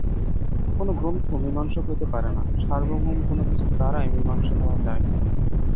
কোন গ্রন্থ মীমাংসক হইতে পারে না, সার্বভৌম কোন-কিছুর দ্বারাই মীমাংসা হওয়া চাই।